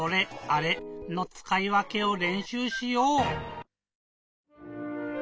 「あれ」のつかいわけをれんしゅうしよう！